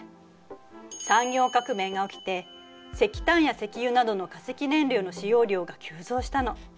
産業革命が起きて石炭や石油などの化石燃料の使用量が急増したの。